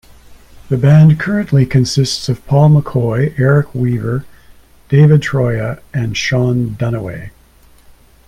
The band currently consists of Paul McCoy, Eric Weaver, David Troia and Sean Dunaway.